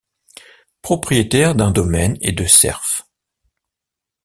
Propriétaire d'un domaine et de serfs.